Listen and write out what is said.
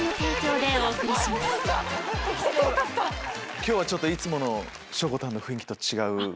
今日はいつものしょこたんの雰囲気と違う。